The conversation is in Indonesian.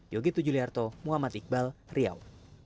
yogi tujuliarto muhammad iqbal riau